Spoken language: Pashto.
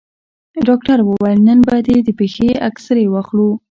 ډاکتر وويل نن به دې د پښې اكسرې واخلو.